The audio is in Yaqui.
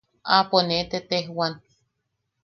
Aapo ne tetejwan.